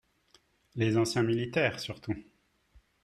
Les anciens militaires, surtout